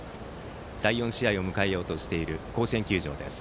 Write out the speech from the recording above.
第４試合を迎えようとしている甲子園球場です。